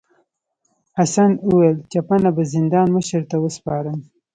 حسن وویل چپنه به زندان مشر ته وسپارم.